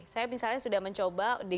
saya misalnya sudah mencoba